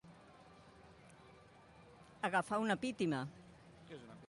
Agafar una pítima.